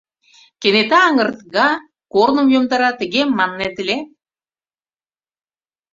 — Кенета аҥырга, корным йомдара, тыге маннет ыле?